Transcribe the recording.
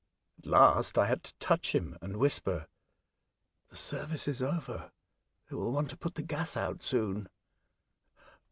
At last I had to touch him and whisper, " The service is over, and they will want to put the gas out soon."